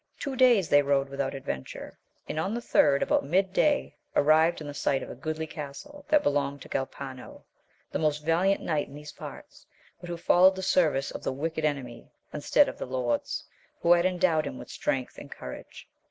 Two days they lode without aA\eu\»\xx^^^5A<3Vi.S^^ 40 AMADIS OF GAUL. third about mid day arrived in sight of a goodly castle, that belonged to Galpano, the most valliant knight in those parts, but who followed the service of the wicked enemy, instead of the Lord's, who had endowed him with strength and courage.